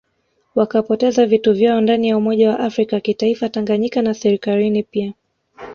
Wakapoteza vitu vyao ndani ya umoja wa afrika kitaifa Tanganyika na Serikalini pia